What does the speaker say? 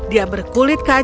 dia berkulit kacau